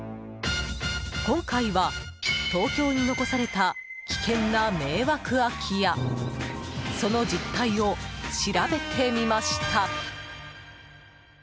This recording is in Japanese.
今回は、東京に残された危険な迷惑空き家その実態を調べてみました。